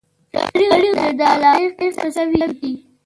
تاریخ د دلاورۍ قصه کوي.